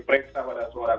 periksa pada seorang